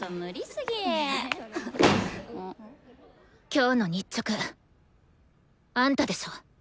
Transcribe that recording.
今日の日直あんたでしょ？